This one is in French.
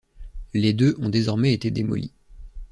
Les deux ont désormais été démolies.